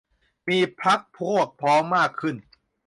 มีพรรคพวกพ้องมากขึ้น